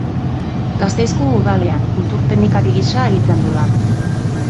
Gasteizko Udalean kultur-teknikari gisa egiten du lan.